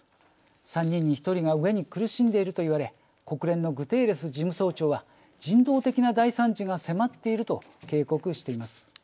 ３人に１人が飢えに苦しんでいると言われ国連のグテーレス事務総長は「人道的な大惨事が迫っている」と警告しています。